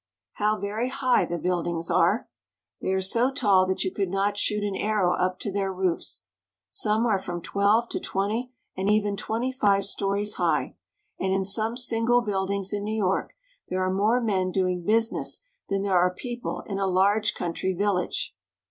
How very high the buildings are! They are so tall that you could not shoot an arrow up to their roofs. Some are from twelve to twenty and even twenty five stories high, and in some single buildings in New York there are more men doing business than there are people in a large coun try village.